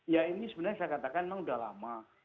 ya ini sebenarnya saya katakan memang sudah lama